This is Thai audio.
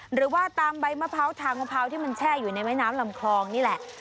หรือว่าตามใบมะพร้าวทางมะพร้าวที่มันแช่อยู่ในแม่น้ำลำคลองนี่แหละ